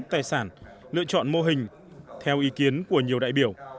tài sản lựa chọn mô hình theo ý kiến của nhiều đại biểu